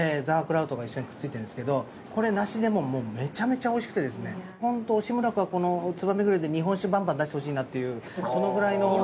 ザワークラウトが一緒にくっついてるんですけどこれなしでももうめちゃめちゃおいしくてですねホント惜しむらくはこのつばめグリルで日本酒バンバン出してほしいなっていうそのくらいの。